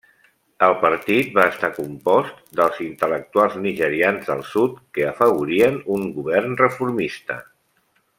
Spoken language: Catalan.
El partit va estar compost dels intel·lectuals nigerians del sud que afavorien un govern reformista.